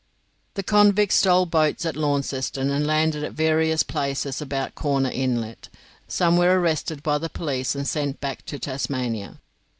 The convicts stole boats at Launceston, and landed at various places about Corner Inlet. Some were arrested by the police and sent back to Tasmania.